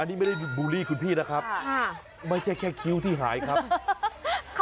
อันนี้ไม่ได้บูลลี่คุณพี่นะครับค่ะไม่ใช่แค่คิ้วที่หายครับ